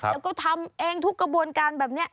เขาทำเองทุกกระบวนการแบบเนี้ย